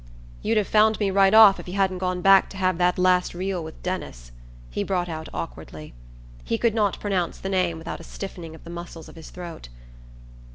"You'd have found me right off if you hadn't gone back to have that last reel with Denis," he brought out awkwardly. He could not pronounce the name without a stiffening of the muscles of his throat.